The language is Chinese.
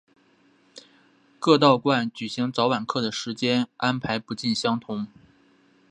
各道观举行早晚课的时间安排不尽相同。